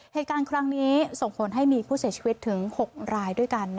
เหตุการณ์ครั้งนี้ส่งผลให้มีผู้เสียชีวิตถึง๖รายด้วยกัน